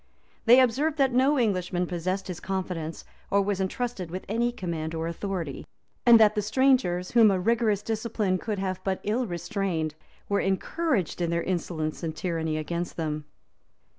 They observed that no Englishman possessed his confidence, or was intrusted with any command or authority; and that the strangers, whom a rigorous discipline could have but ill restrained, were encouraged in their insolence and tyranny against them.